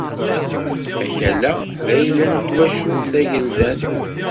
Akal-a d ayla n twacult tageldant.